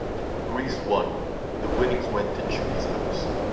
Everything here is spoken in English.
Griese won, and the winnings went to Judi's House.